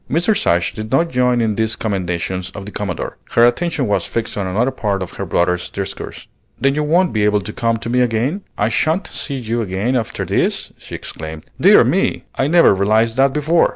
Mrs. Ashe did not join in these commendations of the Commodore; her attention was fixed on another part of her brother's discourse. "Then you won't be able to come to me again? I sha'n't see you again after this!" she exclaimed. "Dear me! I never realized that before.